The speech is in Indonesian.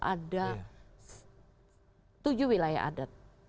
ada tujuh wilayah adat